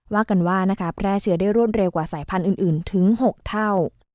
ว่ากันว่าแพร่เชื้อได้รวดเร็วกว่าสายพันธุ์อื่นถึง๖เท่า